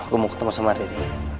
gue mau ketemu sama deddy